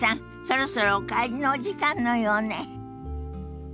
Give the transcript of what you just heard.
そろそろお帰りのお時間のようね。